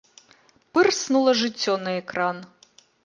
Пырснула жыццё на экран.